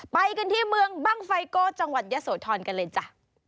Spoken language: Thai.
ไปกันที่เมืองบ้างไฟโก้จังหวัดยะโสธรกันเลยจ้ะ